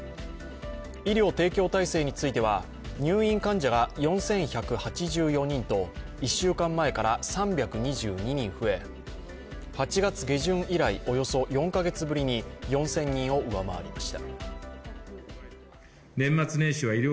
医療提供体制については入院患者が４１８４人と１週間前から３２２人増え８月下旬以来およそ４ヶ月ぶりに４０００人を上回りました。